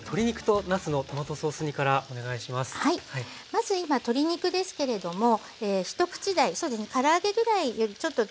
まず今鶏肉ですけれども一口大そうですねから揚げぐらいよりちょっと小さめでもいいです。